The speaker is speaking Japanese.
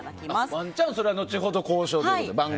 ワンチャン、それは後ほど交渉ということで。